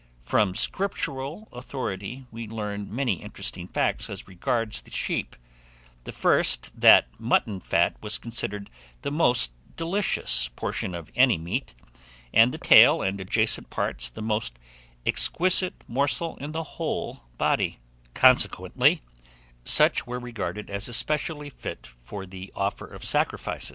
From Scriptural authority we learn many interesting facts as regards the sheep: the first, that mutton fat was considered the most delicious portion of any meat, and the tail and adjacent part the most exquisite morsel in the whole body; consequently, such were regarded as especially fit for the offer of sacrifice.